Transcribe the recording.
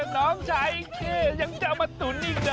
น้องชายเท่ยังจะเอามาตุ๋นอีกเหรอ